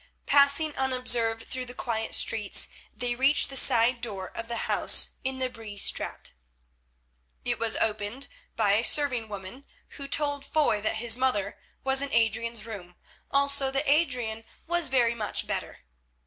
Passing unobserved through the quiet streets, they reached the side door of the house in the Bree Straat. It was opened by a serving woman, who told Foy that his mother was in Adrian's room, also that Adrian was very much better.